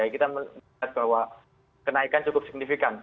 kita melihat bahwa kenaikan cukup signifikan